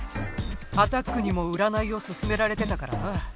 アタックにもうらないをすすめられてたからな。